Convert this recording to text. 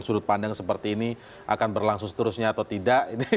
sudut pandang seperti ini akan berlangsung seterusnya atau tidak